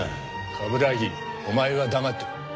冠城お前は黙ってろ。